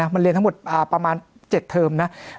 มันเรียนทั้งหมดประมาณเจ็ดเทอม